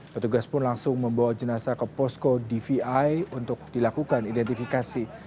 petugas pun langsung membawa jenazah ke posko dvi untuk dilakukan identifikasi